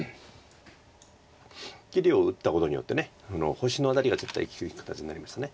切りを打ったことによって星のアタリが絶対利く形になりました。